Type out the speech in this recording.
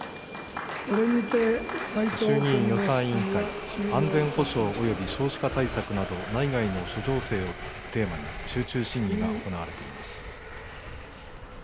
衆議院予算委員会、安全保障および少子化対策など、内外の諸情勢をテーマに、集中審議が行われています。